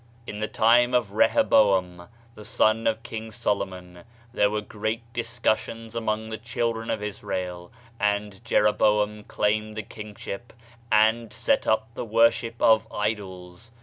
In the time of Rehoboam, the son of King Solomon, there were great discussions among the children of Israel, and Jeroboam claimed the kingship and set up the worship of idols.